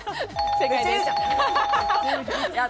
正解です。